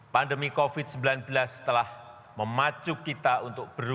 pandemi covid sembilan belas telah memacu kita untuk berubah